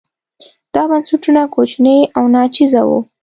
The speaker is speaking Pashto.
دا بنسټونه کوچني او ناچیزه وو.